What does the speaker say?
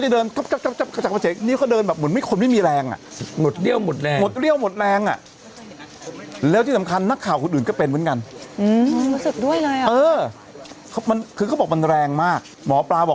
เห็นไหมมาแล้วมาแล้วอ๋ออ๋อมาแล้วมาแล้วอ๋ออ๋ออ๋อมาแล้ว